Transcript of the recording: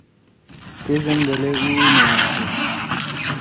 تے زنگلے اُو نہ آشُو۔